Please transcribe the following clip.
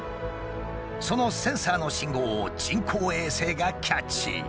そのセンサーの信号を人工衛星がキャッチ。